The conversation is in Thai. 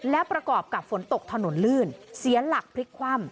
และประกอบกับฝนตกถนนลื่นเสียหลักพลิกคว่ำ